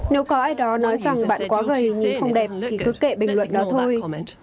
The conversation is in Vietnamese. nếu có ai đó nói rằng bạn quá gầy nhìn không đẹp thì cứ kệ bình luận đó thôi